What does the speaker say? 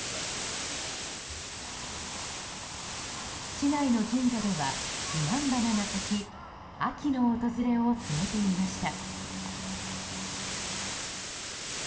市内の神社ではヒガンバナが咲き秋の訪れを告げていました。